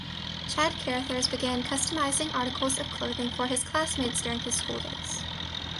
Chad Carothers began customizing articles of clothing for his classmates during his school days.